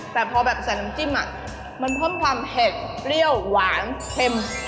แต่พอแบบใส่น้ำจิ้มมันเพิ่มความเผ็ดเปรี้ยวหวานเค็ม